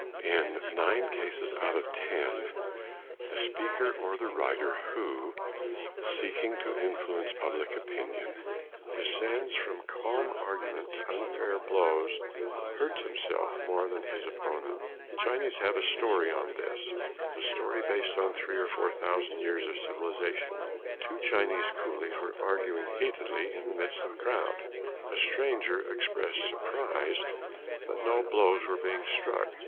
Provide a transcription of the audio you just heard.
In nine cases out of ten the speaker or the writer who, seeking to influence public opinion, descends from calm argument to unfair blows hurts himself more than his opponent. The Chinese have a story on this a story based on three or four thousand years of civilization: Two Chinese coolies were arguing heatedly in the midst of a crowd. A stranger expressed surprise that no blows were being struck.